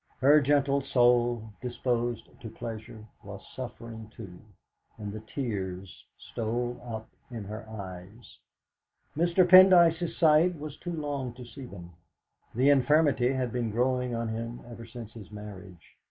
Her gentle soul, disposed to pleasure, was suffering, too, and the tears stole up in her eyes. Mr. Pendyce's sight was too long to see them. The infirmity had been growing on him ever since his marriage.